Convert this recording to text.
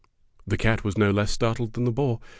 The cat was no less startled than the boar.